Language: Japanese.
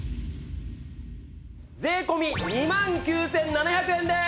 税込２万９７００円でーす！